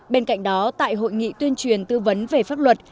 bên cạnh đó tại hội nghị tuyên truyền tư vấn về pháp luật